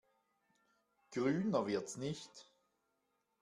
Grüner wird's nicht.